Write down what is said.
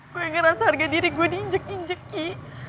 gue ngerasa harga diri gue diinjek injek ki